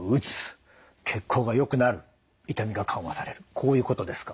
こういうことですか？